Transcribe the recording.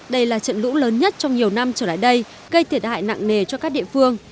đây là trận lũ lớn nhất trong nhiều năm trở lại đây gây thiệt hại nặng nề cho các địa phương